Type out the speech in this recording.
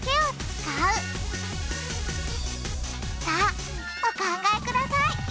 さあお考えください